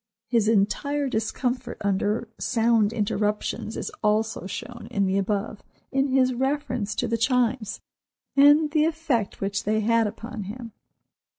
His entire discomfort under sound interruptions is also shown in the above, in his reference to the Chimes, and the effect which they had upon him.